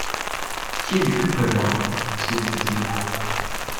Qui l'eût pu prévoir ? se disait-il.